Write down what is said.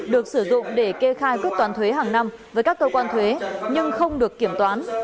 được sử dụng để kê khai quyết toán thuế hàng năm với các cơ quan thuế nhưng không được kiểm toán